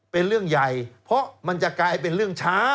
เป็นเรื่องใหญ่เพราะมันจะกลายเป็นเรื่องช้า